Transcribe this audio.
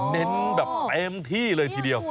เน้นแบบเต็มที่เลยทีเดียว